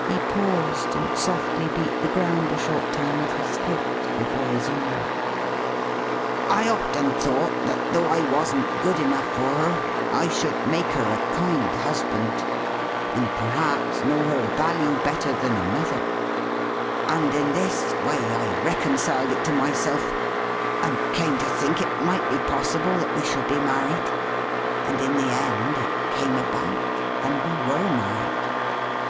He paused, and softly beat the ground a short time with his foot, before resuming: "I often thought that though I wasn't good enough for her, I should make her a kind husband, and perhaps know her value better than another; and in this way I reconciled it to myself, and came to think it might be possible that we should be married. And in the end, it came about, and we were married."